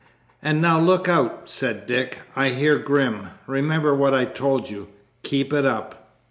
"And now look out," said Dick, "I hear Grim. Remember what I told you; keep it up."